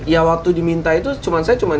ya waktu diminta itu cuma saya cuma